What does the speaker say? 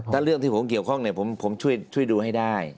ถ้าเรื่องที่ผมเกี่ยวข้องเนี่ยผมช่วยดูให้ได้